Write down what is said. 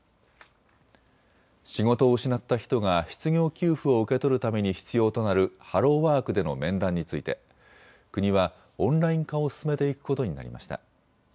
仕事を失った人が失業給付を受け取るために必要となるハローワークでの面談について国はオンライン化を進めていくことになりました。